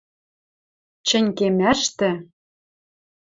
чӹнь кемӓштӹ